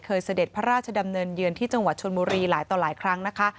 เสด็จพระราชดำเนินเยือนที่จังหวัดชนบุรีหลายต่อหลายครั้งนะคะ